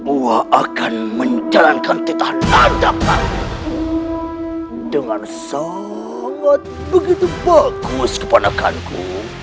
uwa akan menjalankan titan nanda prabu dengan sangat begitu bagus keponakanku